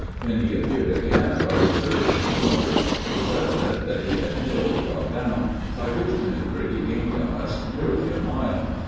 When he appeared again above the surface of the water, it was evident that he had milled while down, by which manoeuver he gained on us nearly a mile.